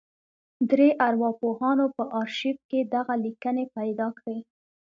درې ارواپوهانو په ارشيف کې دغه ليکنې پیدا کړې.